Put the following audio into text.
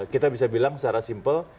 kita bisa bilang secara simpel